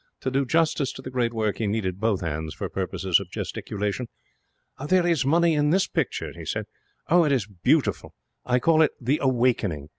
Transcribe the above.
To do justice to the great work he needed both hands for purposes of gesticulation. 'There is money in this picture,' he said. 'Oh, it is beautiful. I call it "The Awakening".